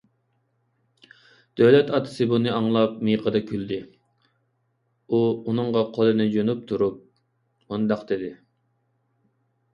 دۆلەت ئاتىسى بۇنى ئاڭلاپ مىيىقىدا كۈلدى. ئۇ ئۇنىڭغا قولىنى جۇنۇپ تۇرۇپ مۇنداق دېدى: